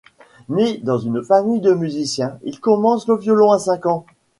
Né dans une famille de musiciens, il commence le violon à cinq ans.